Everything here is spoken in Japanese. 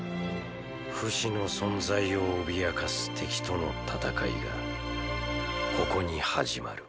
フシの存在を脅かす敵との戦いがここにはじまる